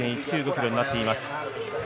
ｋｍとなっています。